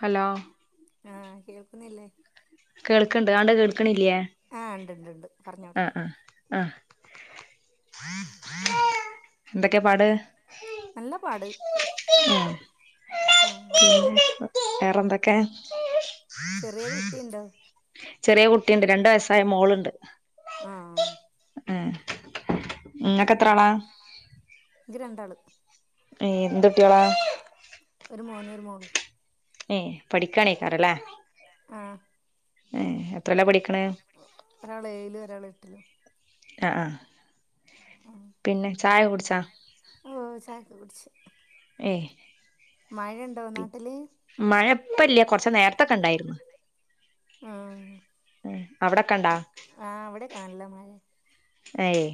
Hello? ആഹ് കേൾക്കുന്നില്ലേ? കേൾക്ക്ണ്ട്. ആണ്ട് കേൾക്ക്ണില്ലേ? ആഹ് ഉണ്ട് ഉണ്ട് ഉണ്ട് പറഞ്ഞോട് ആഹാ ആഹാ. അഹ് ന്തക്കെപാട്? നല്ല പാട് ഉം ഉും. വേറെന്തൊക്കെ? ചെറിയ കുട്ടിയുണ്ടോ ചെറിയ കുട്ടിണ്ട്. രണ്ട് വയസ്സായ മോള്ണ്ട്. ആഹ് ആഹ് ഏഹേ ഇങ്ങക്കെത്രാളാ? ഇൻക് രണ്ടാള്. ഏഹേ എന്തുട്ട്യോളാ? ഒരു മോന് ഒരു മോള് ഏ പഠിക്കാണെക്കാരല്ലേ? ആഹ് ഏഹ് എത്രിലാ പഠിക്കണേ? ഒരാളേയില് ഒരാളെട്ടിലും അഹ് ആഹ്. ആഹ് പിന്നെ ചായ കുടിച്ചാ? ഓ ചായൊക്കെ കുടിച്ച് ഏഹ് മഴണ്ടോ? മഴയിപ്പല്ല. കൊറച്ച് നേര്ത്തൊക്കെണ്ടായിരുന്നു. ആഹ് അവിടൊക്കെണ്ടാ ആവിടെക്കെ നല്ല മഴെ ഏയ്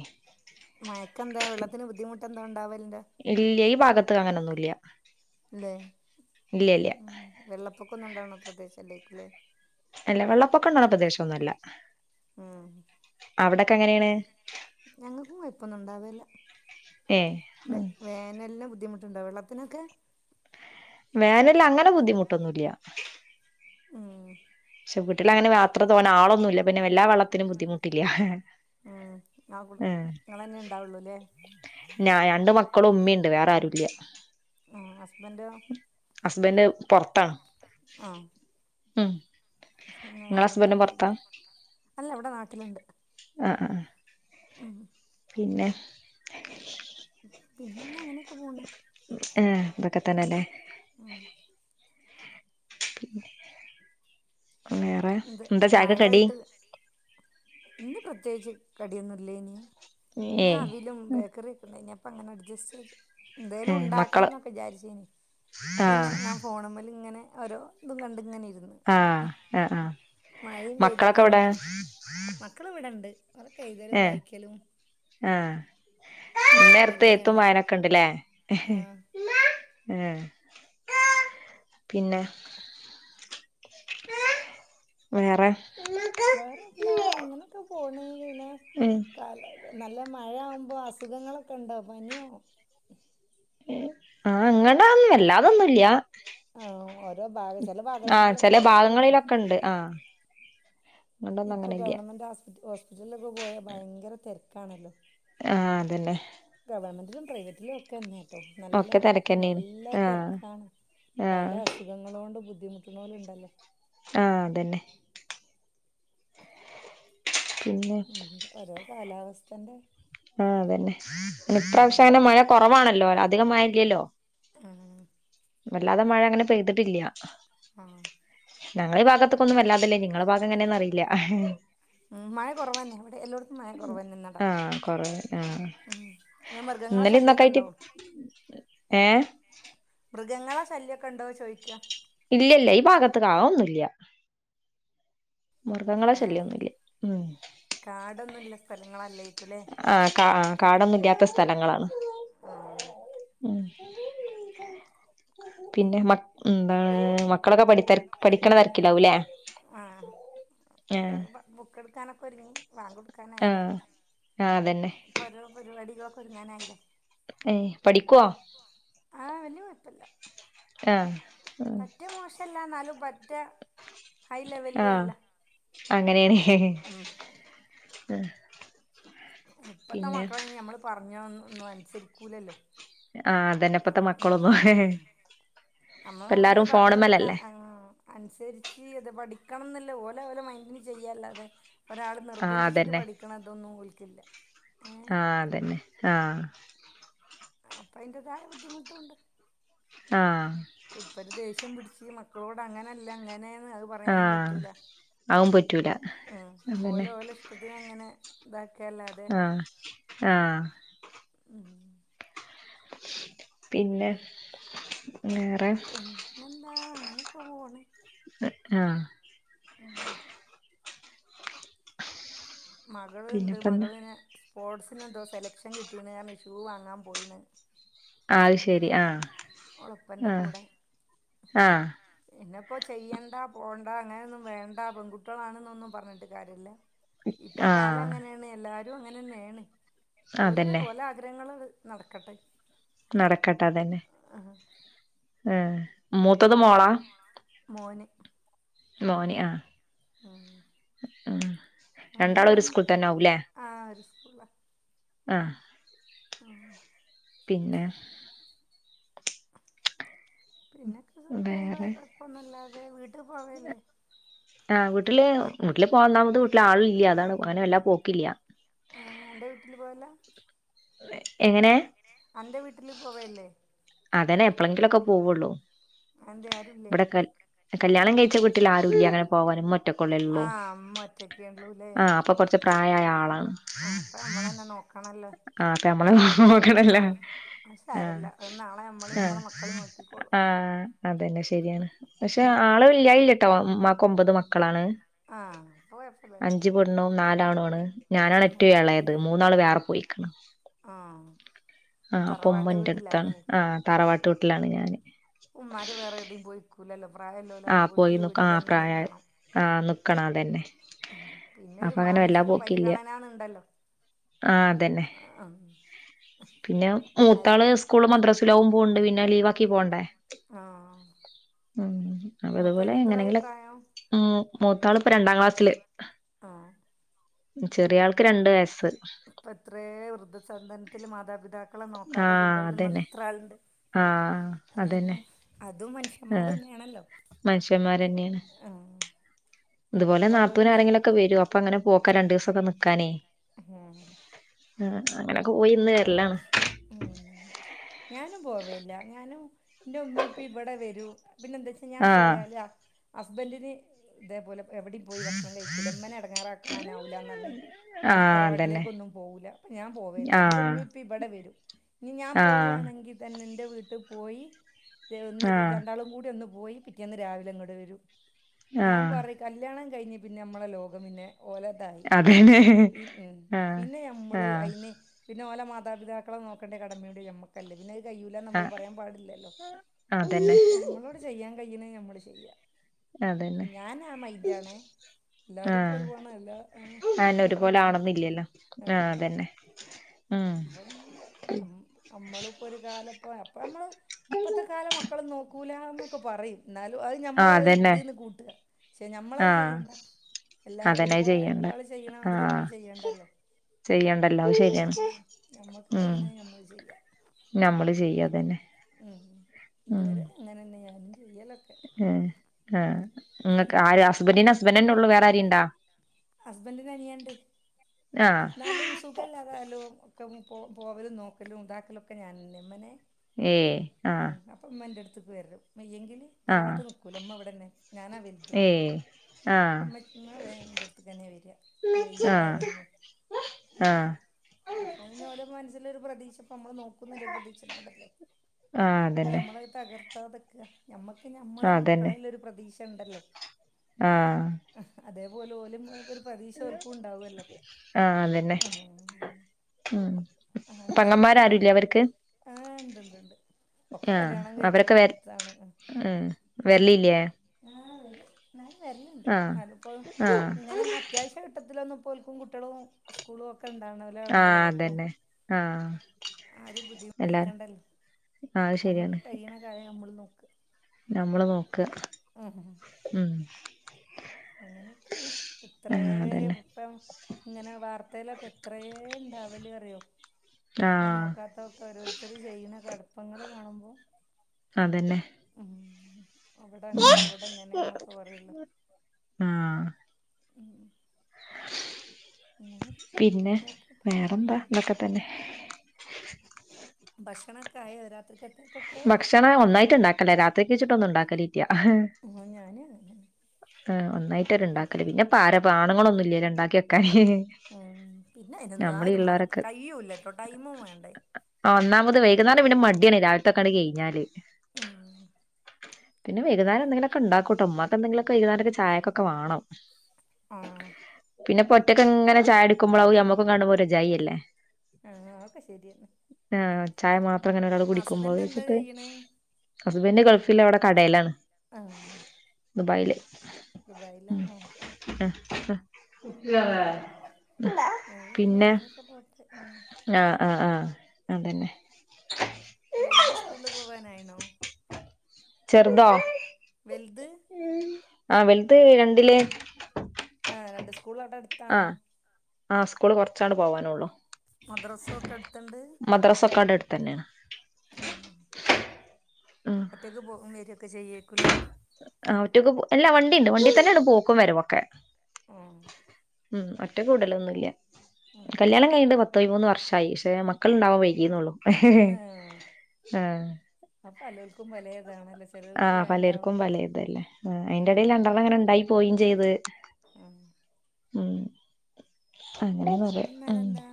മയക്കെന്തെ വെള്ളത്തിന് ബുദ്ധിമുട്ടെന്തോണ്ടാവലിണ്ടാ ഇല്ല്യ ഈ ഭാഗത്ത് അങ്ങനൊന്നുല്ല്യ ല്ലെ ഉം വെള്ളപ്പൊക്കൊന്നുണ്ടാവണ പ്രദേശല്ലായിരിക്കൂല്ലേ അല്ല വെള്ളപ്പൊക്കണ്ടാവണ പ്രദേശൊന്നല്ല ഉം അവിടൊക്കെങ്ങനെയാണ് ഞങ്ങക്കും കൊയപ്പൊന്നുണ്ടാവേല്ല ഏ ബെ വേനലില് ബുദ്ധിമുട്ടുണ്ടോ വെള്ളത്തിനൊക്കെ വേനലിങ്ങനെ ബുദ്ധിമുട്ടൊന്നുല്യ ഉം പഷേ വീട്ടിലങ്ങനെ യത്ര തോനാളൊന്നുല്ല പിന്നെ വല്ലാ വെള്ളത്തിനും ബുദ്ധിമുട്ടില്ല്യ ഹ് ഉം ആവ്ട് ങ്ങളന്നെണ്ടാവുള്ളൂല്ലേ ഞാ രണ്ടു മക്കളും ഉമ്മേണ്ട് വേറാരുല്യ ആ ഹസ്ബൻഡ് ഹസ്ബന്റ് പൊറത്താണ് ആ ഉം പിന്നെ ഇങ്ങളെ ഹസ്ബൻഡും പൊറത്താ ആരുണ്ടാവൂല്ലല്ലേ അല്ല ഇവിടെ നാട്ടില്ണ്ട് ആഹ് ആഹ് ഉം ഹ് പിന്നെ പിന്നെന്താങ്ങനെക്കെ പോണ് ഏഹ് ഇതൊക്കെത്തന്നെല്ലേ ഉം വേറെ എന്ത് ന്താ ചായക്ക് കടി ന്ന് പ്രത്യേച്ച് കടിയൊന്നുല്ലേനി ഏ ഇന്നവിലും ബേക്കറീക്കെണ്ടായ്നി പ്പങ്ങനഡ്ജസ്റ്റെയ്ത് ഏ മക്കള് ന്തേലുണ്ടാക്കണംന്നൊക്കെചാരിച്ചീനി ആ പിന്നെ ഞാൻ ഫോണ് മ്മേലിങ്ങനെ ഓരോ തും കണ്ടിങ്ങനെര്ന്ന് ആ മഴെം മക്കളൊക്കെ എവിടെ പെയ്തപ്പിങ്ങനെ മക്കളിവിടെണ്ട് ഓരൊക്കെയ്തലും ഏ വായിക്കലും ആ ഇന്നേരത്ത് എയ്ത്തും കൊരങ്ങാണ് വായനൊക്കെ ണ്ടല്ലേ ഹ് ആഹ് ഏ പിന്നെ വേറെ വേറേന്താങ്ങനൊക്കെ പോണ് യിനെ ഏഹ് കാല നല്ല മഴയാവുമ്പോ അസുഖങ്ങളൊക്കെണ്ടോ പനിയോ എഹ് ആങ്ങനൊന്നല്ലാതൊന്നുല്ല്യ ആഹ് ഓരോ ഭാഗ ചില ആഹ് ഭാഗങ്ങളിലൊക്കെ ചെല പലേതും ഭാഗങ്ങളിലൊക്കെണ്ട് ആഹ് ഇപ്പൊ ഗവൺമെന്റാസ് ഹോസ്പിറ്റലിലൊക്കെ പോയാ ഭയങ്കര തെരക്കാണല്ലോ ആ അതന്നെ ഗവൺമെന്റിലും പ്രൈവറ്റിലു ഒക്കെ യന്നെ ട്ടോ നല്ല ഒക്കെ തിരക്കന്നെയാണ് നല്ല ആ തെരക്കാണ് ആ പല അ സുഖങ്ങളോണ്ട് ബുദ്ധിമുട്ടണോല്ണ്ടല്ലോ ആഹ് അതന്നെ പിന്നെ ഉം ഓരോ കാലാവസ്ഥന്റെ ആഹ് അതന്നെ ഉം ഇപ്രാവശ്യാനെ മഴ കൊറവാണല്ലോ അധികം മയയില്ലല്ലോ ആഹ് വല്ലാതെ മഴാങ്ങനെ പെയ്തിട്ടില്ല്യ ആഹ് ഞങ്ങളെ ഈ ഭാഗത്തക്കൊന്നും വല്ലാതില്ലേ ഇനിങ്ങളെ ഭാഗം എങ്ങനെന്നറിയില്ല്യ ഉം മഴ കൊറവന്നെ ഇവിടെ എല്ലോട്ക്കും മഴ കൊറവന്നെന്നട ആ കൊറവ് ആ ഉം ങ്ങാ മൃഗങ്ങളെ ശല്യോക്കെണ്ടോ ഏഹ് മൃഗങ്ങളെ ശല്യോക്കെണ്ടോ ചോയിക്ക ഇല്ലില്ല ഈ ഭാഗത്തൊക്കെ അതൊന്നുല്ല മൃഗങ്ങളെ ശല്യവൊന്നുവില്ല ഉം കാടൊന്നുവുള്ള സ്ഥലങ്ങളല്ലയിക്കുല്ലേ ആഹ് കാ കാടൊന്നുവില്ലാത്ത സ്ഥലങ്ങളാണ് ആഹ് ഉം പിന്നെ മ എന്താ മക്കളൊക്കെ പഠി തിര പഠിക്കണ തിരക്കിലാവുല്ലേ ക്കെടുക്കാനൊക്കെ ഒരുങ്ങി ബാങ്ക് കൊടുക്കാനായില്ലേ ആഹ് ആഹ് അതന്നെ ഒരോ പരിപാടികളൊക്കെ ഒരുങ്ങാനായില്ലേ ഏയ് പഠിക്കുവോ ആഹ് വല്യ കൊഴപ്പല്ല ആഹ് പറ്റ മോശല്ല എന്നാലും പറ്റ ഹൈ ലെവലിലു ആഹ് അല്ല ഉം ആഹ് ഇപ്പത്ത മക്കൾ അയിന് നമ്മൾ പറഞ്ഞ ഒന്നും അനുസരിക്കൂല്ലല്ലോ ആഹ് അതന്നെ ഇപ്പത്തെ മക്കളൊന്നും ഉം നമ്മൾ ഇപ്പ ഒന്ന് എല്ലാരും പറഞ്ഞൊടുത്താ ഫോണുമ്മലല്ലേ ഉം അനുസരിച്ച് അത് പഠിക്കണംന്നല്ലേ ഓലെ ഓല മൈൻഡിന് ചെയ്യല്ലതെ ഒരാൾ ആഹ് നിർബന്ധിച്ചിട്ട് അതന്നെ പഠിക്കണം അതൊന്നും ഓൾക്കില്ല ആഹ് അതന്നെ ആഹ് അപ്പ അയിന്റേതായ ബുദ്ധിമുട്ടുണ്ട് ആഹ് ഇപ്പൊ ഒരു ദേഷ്യം പിടിച്ച് മക്കളോട് അങ്ങനല്ല ഇങ്ങനെയന് അത് പറയാനും ആഹ് പറ്റൂല അതും പറ്റൂല ഉം അതന്നെ ഓല് ഓലാ ഇഷ്ടത്തിന് അങ്ങനെ ഇതക്കല്ല ആഹ് ആഹ് ഉം പിന്നെ വേറെ പിന്നെന്താ അങ്ങനെക്കെ പോണ് ആഹ് ഉം മകൾ ഇണ്ട് പിന്നെപ്പെന്താ മകൾ ഇങ്ങനെ സ്പോർട്സിന് എന്തോ സെലക്ഷൻ കിട്ടിണ് കാരണം ഷൂ വാങ്ങാൻ പോയിണ് അത്ശരി ആഹ് ഓളപ്പൻ്റെ ആഹ് കൂടെ ആഹ് പിന്നെപ്പോ ചെയ്യണ്ട പോണ്ട അങ്ങനെയൊന്നും വേണ്ട പെൺകുട്ടികളാണെന്നൊന്നും പറഞ്ഞിട്ട് കാര്യവില്ല ഇപ്പൊ കാലം ആഹ് അങ്ങനെയാണ് എല്ലാരും അങ്ങനെന്നെണ് ഓല് അതന്നെ ഓലാ ആ ഗ്രഹങ്ങൾ അത് നടക്കട്ടെ നടക്കട്ടെ അതന്നെ ആഹ് യെ മൂത്തത് മോളാ മോന് മോന് ആഹ് ഉം ഉം രണ്ടാളും ഒരു സ്കൂൾ തന്നെ ആവൂല്ലേ [unintelligible] ആഹ് ഒര് സ്കൂളാ ആഹ് ആഹ് പിന്നെ പിന്നെ [unintelligible] വേറെ കൊയപ്പൊന്നുല്ലാതെ വീട്ടി പോവേല്ലേ ആഹ് വീട്ടില് വീട്ടില് ഒന്നാമത് വീട്ടില് ആളും ഇല്ല അതാണ് [unintelligible] പോക്കില്ല ഏഹ് എന്റെ വീട്ടില് പോയല്ലാ എങ്ങനെ അന്റെ വീട്ട്ല് പോവെല്ലേ അതനെ എപ്പളെങ്കിലു ഒക്ക പോവേള്ളൂ അത് എന്തെ ആരു ല്ലേ കല്യാണം കഴിച്ച വീട്ടിൽ ആരുല്ല അങ്ങനെ പോവാന് ഉമ്മ ആ ഒറ്റക്കൊള്ളേള്ളൂ ഇമ്മ ഒറ്റേക്കേ ഒള്ളൂ ലെ ച്ച് പ്രായായ ആളാ നമ്മളന്നെ നോക്കണല്ലോ ആ അപ്പ നമ്മള് ആ നോക്കണല്ലാ അത് സാരല്ല അത് നാളെ ഞമ്മളീം ഞമ്മളെ മക്കള് നോക്കിക്കോളു ആ അതന്നെ ശരിയാണ് പശേ ഉം ആള് ഇല്ലായില്ലട്ടോ ഉമ്മാക്ക് ഒമ്പത് മക്കളാണ് ആ അപ്പൊ കൊയപ്പല്ലല്ലോ ണ്ണും നാല് ആണും ആണ് ഞാനാണ് ഏറ്റോം എളെത് മൂന്നാള് വേറെ പോയിക്ക്ണ് ആ ആ ഇപ്പൊ അപ്പം ഉമ്മ തറവാട്ട് ഇന്റെ എട്ത്താണ് വീട്ടിലാല്ലേ ആ തറവാട്ട് വീട്ടിലാണ് ഞാന് ഉമ്മാര് വേറെ എവ്ടിം പോയി നിക്കൂലല്ലോ പ്രായം ഇല്ലോല് ആഹ് ആവ്മ്പോൽക്ക് പോയി ഈ നിക്കും ആഹ് വീട്ടിലന്നെ പ്രായായ നിക്കണം ആഹ് നിക്കണം അതന്നെ പിന്നെര് അപ്പൊ മാനുഷിക പരിഗണനാ ന്ന് ഇണ്ടല്ലോ ആ അതന്നെ പിന്നെ മൂത്താള് ആർക്കാ സ്കൂൾളും മദ്രസ് ലും പോവ്ണ്ട് പിന്നെ ലീവാക്കി പോണ്ടേ ആഹ് ഉം അപ്പൊ അതുപോലെ മൂത്തോന് എത്രായി എങ്ങനെങ്കിലും പ്രായം ഉം മൂത്താള് ഇപ്പ രണ്ടാം ക്ലാസ്സില് ആഹ് ചെറിയ ആൾക്ക് രണ്ട് വയസ്സ് ഇപ്പ എത്രെ വൃദ്ധസധൻത്തില് മാതാപിതാക്കളെ നോക്കാതെ ആഹ് കൊണ്ടയി ഇടുന്ന അതന്നെ എത്ര ആള് ഇണ്ട് ആഹ് അതന്നെ അതും ആഹ് മനുഷ്യന്മാരന്നെണല്ലോ മനുഷ്യന്മാരന്നെയാണ് ആഹ് ഇതുപോലെ നാത്തുനു ആരെങ്കിലു ഒക്കെ വെരു അപ്പൊ അങ്ങനെ പോക്കാ രണ്ടീസൊക്കെ നിക്കാനേ [unintelligible] ആ അങ്ങനക്കെ പോയിന്ന് ഇപ്പൊ വര്ലാണ് കൊറച്ച് ഉം ഞാനും പോവെല്ല ഞാനും ഇൻ്റെ ഉമ്മീം ഉപ്പീ ഇവടെ വരും പിന്നെ എന്താച് ഞാൻ ആഹ് പോയാല് ഹസ്ബൻ്റിന് ഇതേപോലെ എവെടിം പോയി ഭക്ഷണം കയിക്കുല ഇമ്മനെ എടങ്ങാറാക്ക്ണന്നെ ആവൂല ന്നർഞ് ഉമ്മെ ആഹ് അതന്നെ തറവാട്ടിലേക്കൊന്നും പോവുല അപ്പം ഞാൻ പോവെല്ലാ ഇന്റെ ആഹ് ഉമ്മി ഉപ്പി ഇവടെ വരും ഇനി ഞാൻ ആഹ് പോവാണെങ്കി തന്നെ ഇൻ്റെ വീട്ട് പോയി ഒന്ന് ആഹ് രണ്ടാളും കൂടി ഒന്ന് പോയി പിറ്റേന്ന് രാവിലെ ഇങ്ങട് വരും ഞാൻ ആഹ് പറി കല്യാണം കയിഞ്ഞ് പിന്നെ അമ്മളെ ലോകം പിന്നെ ഓലെ തായി അതന്നെ ഉം ആഹ് പിന്നെ ഞമ്മള് ആഹ് അയ്ന് പിന്നെ ഓലേ മാതാപിതാക്കളെ നോക്കണ്ടേ കടമിം കൂടി ഞമ്മാ അല്ലേ പിന്നെ അത് കയ്യൂല ന്ന് നമ്മക്ക് ആഹ് പറയാൻ പാടില്ലല്ലോ അതന്നെ ഞമ്മളോ ചെയ്യാൻ കയ്യ്ണെ ഞമ്മള് ചെയ്യാ അതന്നെ ഞാൻ ആ മൈന്റാണെ എല്ലാരും ഇപ്പോ ആഹ് ഒരു പോണ അല്ല ഏ അതെന്നെ ഒരുപോലെ ആവണംന്നില്ലല്ലോ ആ ആഹ് അതന്നെ ഉം [unintelligible] ഞമ് അമ്മള്പ്പോ ഒരു കാലം ഇപ്പോ അപ്പം നമ്മള് ഇപ്പത്തെ കാലം മക്കള് നോക്കൂലാ ന്നൊക്കെ പറിം ന്നാലും അത് ആഹ് ഞമ്മളെ ഒരു അതന്നെ ഇത് ന്ന് കൂട്ട പക്ഷെ ഞമ്മളത് ആഹ് ചെയ്യണ്ട. എല്ലാ അതന്നെ ഒരുപോലെ ചെയ്യണ്ടേ ഒരാള് ചെയ്യ്ണ മാതിരി ആഹ് നമ്മള് ചെയ്യണ്ടല്ലോ ചെയ്യണ്ടല്ലോ അത് ആ. ശരിയാണ് ഞമ്മക്ക് ഉം കയ്യിണെ ഞമ്മള് ചെയ്യ നമ്മള് ചെയ്യാ അതന്നെ. ഉം ഇതുവരെ അങ്ങനെന്നെ ഞാനും ചെയ്യലൊക്കെ. ഏ ആ ഇങ്ങക്ക് ആര് ഹസ്ബന്റ്ന് ഹസ്ബൻഡന്നെ ഒള്ളൂ വേറെ ആരേം ഇണ്ടോ ഹസ്ബെന്റ്ന് അനിയൻണ്ട്. ആഹ് ന്നാലും സുഖല്ലാതായാലും ഒക്ക പൊ പോവലും നോക്കലും ഇതാക്കലൊക്കെ ഞാനന്നെ ഇമ്മനെ. ഏ ആഹ്. പ്പ ഇമ്മന്റെ അട്ത്ത്ക്ക് വരും വെയ്യെങ്കില് ആഹ് തറവാട്ട് നിക്കൂല ഇമ്മ ഇവടെന്നെ ഞാനാ വൽത്. ഏഹ് ആഹ് ഇമ്മ [unintelligible] ഇമ്മ വേ ഇന്റെട്ത്ത്ക്കെന്നെ വെരാ ഇഞ് ആഹ് വെയ്യാതായാലെന്നും. ആഹ് അപ്പൊ ഇഞോലെ മൻസ്സിലൊരു പ്രതീക്ഷ പ്പോ നമ്മള് നോക്കുന്നുല്ലൊരു പ്രതീക്ഷ [unintelligible] ആഹ് അതന്നെ ഇപ്പമ്മളത് തകർത്താതക്ക ഞമ്മക്ക് ഞമ്മളെ അതന്നെ മക്കളെല്ലൊരു പ്രതീക്ഷ ണ്ടല്ലോ. ആഹ് അതേപോലെ ഓലുംഒരു പ്രതീക്ഷോൽക്കുണ്ടാവല്ലോ. ആഹ് അതെന്നെ ഉം പെങ്ങന്മാരാരുല്ലേ അവര്ക്ക്? ആഹ് ണ്ട്ണ്ട് ണ്ട്. ഒക്കെ ആഹ് കല്യാണം അവരൊക്കെ വര് കഴിച്ചോട്ത്താണ്. ഉം വരലില്ലേ ആഹ് വെരും ന്നാലും വെര്ല്ണ്ട് ആഹ് വലപ്പോഴും ആഹ് ഇങ്ങനെ [unintelligible] ത്യാവശ്യ ഘട്ടത്തിലൊന്നുപോല്ക്കും കുട്ട്യെളും സ്ക്കൂളൊക്കെ ണ്ടാവണ ആഹ് അതെന്നെ ആഹ് ആരെയും എല്ലാ ആഹ് അയ് ശെര്യാണ്. കയ്യ്ണ കാ [unintelligible] നമ്മളും നോക്ക. നമ്മള് നോക്ക ഉം. അങ്ങനെക്കെണ് എത്രേ ആ അതന്നെ ഇപ്പം ഇങ്ങനെ വാർത്തേലൊക്കെ എത്രേ ണ്ടാവലറ്യോ ആ ങ്ങനോക്കാത്തോ ട്ടോരോര്ത്തര് ചെയ്യുന്ന കട്പ്പങ്ങൾ കാണുമ്പോ അതെന്നെ. ഉം അവടങ്ങനെ ഇവടെ ങ്ങനെന്നൊക്കെ പറ്യല്ലോ. ആ ഉം ഉം. പിന്നെ ആയിക്കോട്ടെ ഉം വേറെന്താ ഇതൊക്കെ തന്നെ. ഭക്ഷണൊക്കായോ രാത്രിക്കത്തേക്കൊക്കെ? ക്ഷണം ഒന്നായിട്ട്ണ്ടാക്കല്ലാ രാത്രിക്ക് വെച്ച്ട്ട് ഒന്നുണ്ടാക്കലില്ല. ഇന്ന് ഞാനു അങ്ങനെ ന്നെ. ആഹ് ഒന്നായിട്ടെരെണ്ടാക്കല് പിന്നെ പാരപാ ആണ്ങ്ങളൊന്നുല്ല ഇണ്ടാക്ക്യക്കാന്. ഉം പിന്നയ്നൊന്നു ആ ഒര് മാ കയ്യൂല്ലട്ടോ ടൈമും വാണ്ടേ? ആഹ് ഒന്നാമത് വൈകുന്നേരം പിന്നെ മട്യാണ് രാവല്ത്തൊക്കാണ്ട് കഴിഞ്ഞാല്. ഉം. പിന്നെ വൈകുന്നരം എന്തെങ്കിലൊക്കെണ്ടാക്കൂട്ടോ ഇമ്മക്ക് എന്തെങ്കിലൊക്കെ വൈന്നാരൊക്കെ ചായക്കൊക്കെ വാണം. ആഹ് പിന്നെ ഒറ്റക്ക്ങ്ങനെ ചായുടിക്കുമ്പോ അത് ഞമ്മക്കും കാണുമ്പോ ഒരുജായല്ലേ. ആഹ് അതൊക്കെ ശെര്യെന്നെ. ആഹ് ചായ മാത്രങ്ങനൊരാള് കുടിക്കുമ്പോ അത് എന്താ ച്ചിട്ട് ചെയ്യണ് ഹസ്ബൻഡ് ഗൾഫില് അവടെ കടേലാണ്. ആഹ് ദുബായില്. ദുബായിലാ ആഹ് [unintelligible] ഉപ്യാലേ ഉം ഏതായാലും പിന്നെ അങ്ങനെയൊക്കെ പോട്ടെ ഉം ആഹ് ആഹ് ആഹ് അതെന്നെ വെൽത് സ്കൂളില് പോവാനായിണോ? ചെർതോ? വെൽത് ആഹ് വെൽത് രണ്ടില്. ആഹ് രണ്ട് സ്കൂളാ ടെട് ആഹ് ആഹ് സ്കൂള് കൊറച്ചാണ്ട് പോവാനൊള്ളു. മദ്രസൊക്കട്ത്ത്ണ്ട്? മദ്രസൊക്കാട‌ട്ത്തെന്നെണ്. ഉം ഒറ്റക്ക് പോ വെരൊക്കെ ചെയ്യേക്കൂല്ലേ? ആഹ് ഒറ്റക്കു പോ അല്ല വണ്ടി ണ്ട് വണ്ടി തെന്നെണ് പോക്കും വെരവൊക്കെ. ആഹ് ഉം ഒറ്റക്ക് വിടലൊന്നുല്ല. കല്യാണം കയ്ഞ്ട്ട് പ പൈമൂന്ന് വർഷായി പഷേ, മക്കള്ണ്ടാവാൻ വൈകീന്നൊള്ളു. ആഹ് ആഹ് [unintelligible] പലോൽക്കും പലേതാണല്ലൊ. ആഹ് പലേർക്കും പലേ ഇതല്ലെ ആഹ്. അയിൻ്റെടേല് രണ്ടെണ്ണങ്ങനെ ഇണ്ടായി പോയിം ചെയ്ത് ഉം ഉം അങ്ങനേന്ന് പറയാ. ഉം പിന്നെന്നാലെന്താ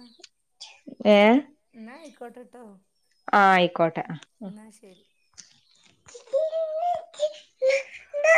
ഏഹ് ഇന്നാ അയ്ക്കോട്ടട്ടോ ആഹ് അയ്ക്കോട്ടെ. ഇന്നാ ശെരി. [unintelligible]